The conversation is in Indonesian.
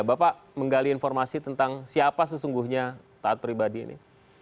bapak menggali informasi tentang siapa sesungguhnya taat pribadi ini